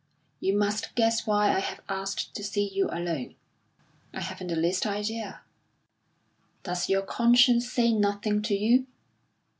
"You must guess why I have asked to see you alone." "I haven't the least idea." "Does your conscience say nothing to you?"